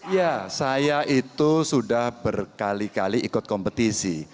ya saya itu sudah berkali kali ikut kompetisi